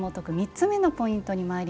３つ目のポイントです。